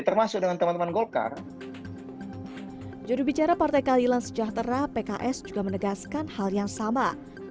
termasuk dengan teman teman golkar jurubicara partai keadilan sejahtera pks juga menegaskan hal yang sama